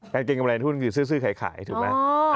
กางเกงกำไรหุ้นคือซื้อขายถูกไหม